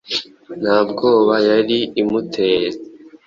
Nta bwoba yari imuteye